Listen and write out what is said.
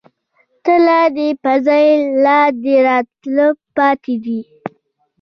تله دې په ځائے، لا دې راتله پاتې دي